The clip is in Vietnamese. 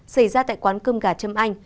xảy ra tại quán cơm gà trâm anh